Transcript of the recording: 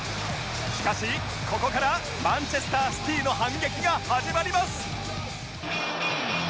しかしここからマンチェスター・シティの反撃が始まります